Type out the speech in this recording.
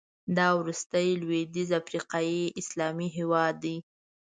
دا وروستی لوېدیځ افریقایي اسلامي هېواد دی.